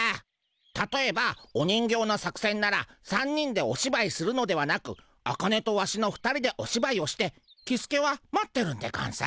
たとえばお人形の作せんなら３人でおしばいするのではなくアカネとワシの２人でおしばいをしてキスケは待ってるんでゴンス。